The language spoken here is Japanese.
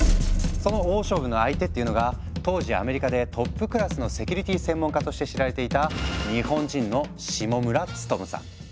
その大勝負の相手っていうのが当時アメリカでトップクラスのセキュリティ専門家として知られていた日本人の下村努さん。